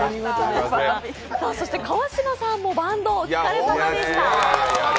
川島さんもバンド、お疲れさまでした。